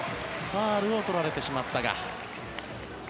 ファウルを取られてしまった。